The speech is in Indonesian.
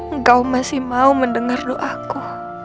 engkau masih mau mendengar doaku